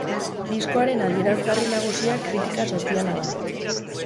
Diskoaren adierazgarri nagusia kritika soziala da.